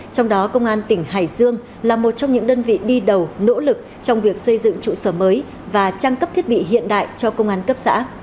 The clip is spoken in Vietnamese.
trong đó công an tỉnh hải dương là một trong những đơn vị đi đầu nỗ lực trong việc xây dựng trụ sở mới và trang cấp thiết bị hiện đại cho công an cấp xã